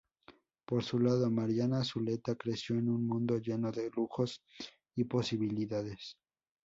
Por su lado, Mariana Zuleta creció en un mundo lleno de lujos y posibilidades.